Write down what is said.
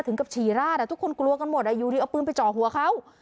ถึงกับฉี่ราดทุกคนกลัวกันหมดอยู่ดีเอาปืนไปจ่อหัวเขา